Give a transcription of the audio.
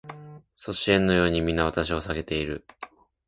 阻止円のように皆私を避けている